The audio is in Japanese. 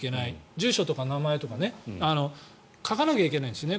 住所とか名前とか書かなきゃいけないですね。